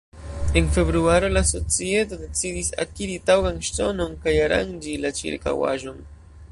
En februaro la societo decidis akiri taŭgan ŝtonon kaj aranĝi la ĉirkaŭaĵon.